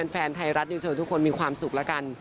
แฟนไทยรัฐนิวโชว์ทุกคนมีความสุขแล้วกัน